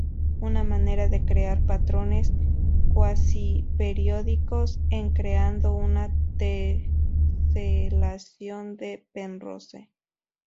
Una manera de crear patrones cuasi-periódicos es creando una teselación de Penrose.